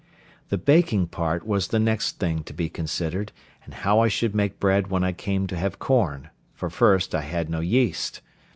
The baking part was the next thing to be considered, and how I should make bread when I came to have corn; for first, I had no yeast.